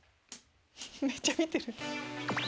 めっちゃ見てる。